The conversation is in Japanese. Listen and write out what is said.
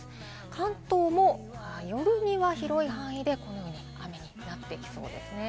関東も夜には広い範囲で、このように雨になっていきそうです。